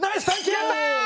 やった！